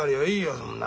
そんな。